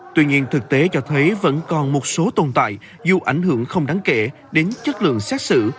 tuy nhiên thực tế cho thấy vẫn còn một số tồn tại dù ảnh hưởng không đáng kể đến chất lượng xét xử